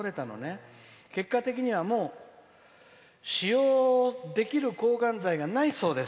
結果的には、もう使用できる抗がん剤がないそうです。